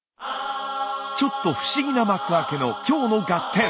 ちょっと不思議な幕開けの今日の「ガッテン！」。